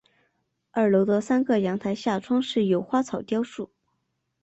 二楼的三个阳台下装饰有花草雕塑。